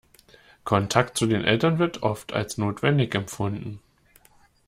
Kontakt zu den Eltern wird oft als notwendig empfunden.